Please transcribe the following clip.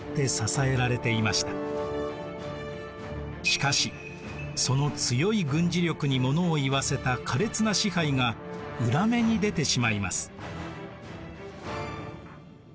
しかしその強い軍需力にものをいわせた苛烈な支配が裏目に出てしまいます。